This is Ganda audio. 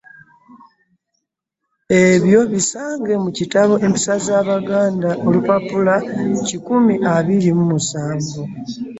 Ebyo bisange mu kitabo Empisa z’Abaganda olupapula kikumi abiri mu musanvu.